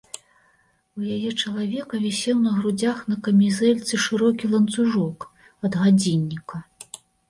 У яе чалавека вісеў на грудзях на камізэльцы шырокі ланцужок ад гадзінніка.